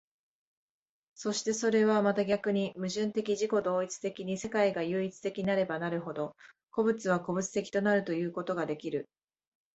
そしてそれはまた逆に矛盾的自己同一的に世界が唯一的なればなるほど、個物は個物的となるということができる。